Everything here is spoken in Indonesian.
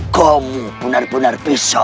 kamu benar benar bisa